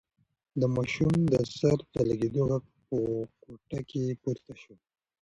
د ماشوم د سر د لگېدو غږ په کوټه کې پورته شو.